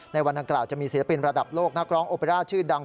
ในวันอังกล่าวจะมีศิลปินระดับโลกนักร้องโอเปร่าชื่อดัง